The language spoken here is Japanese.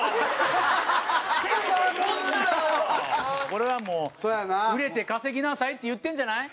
これはもう売れて稼ぎなさいって言ってるんじゃない？